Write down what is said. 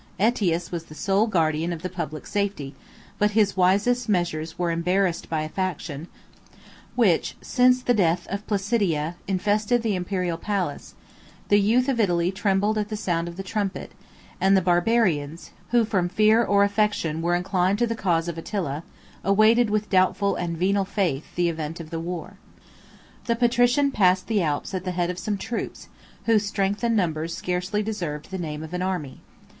Ætius was the sole guardian of the public safety; but his wisest measures were embarrassed by a faction, which, since the death of Placidia, infested the Imperial palace: the youth of Italy trembled at the sound of the trumpet; and the Barbarians, who, from fear or affection, were inclined to the cause of Attila, awaited with doubtful and venal faith, the event of the war. The patrician passed the Alps at the head of some troops, whose strength and numbers scarcely deserved the name of an army.